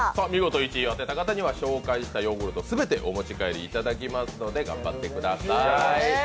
見事１位を当てた方には紹介したヨーグルト全てお持ち帰りいただきますので頑張ってください。